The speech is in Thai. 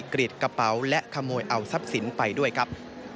กรีดกระเป๋าและขโมยเอาทรัพย์สินไปด้วยครับ